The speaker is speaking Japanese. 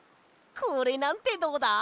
これなんてどうだ？